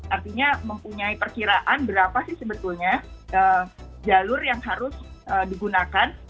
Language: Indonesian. artinya mempunyai perkiraan berapa sih sebetulnya jalur yang harus digunakan